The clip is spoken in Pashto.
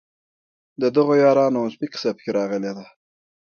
د دغو یارانو او سپي قصه په کې راغلې ده.